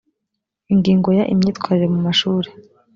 ingingo ya imyitwarire mu mashuri